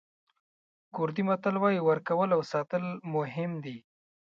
کوردي متل وایي ورکول او ساتل مهم دي.